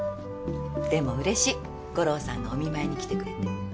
でも嬉しい五郎さんがお見舞いに来てくれて。